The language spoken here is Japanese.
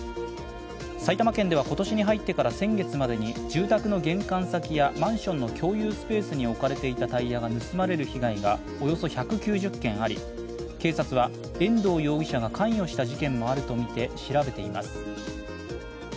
埼玉県では今年に入ってから先月までに住宅の玄関先やマンションの共有スペースに置かれていたタイヤが盗まれる被害がおよそ１９０件あり警察は遠藤容疑者が関与した事件もあるとみて調べています。